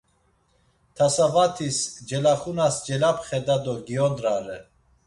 Tasavatis celaxunas celapxeda do giyondrare.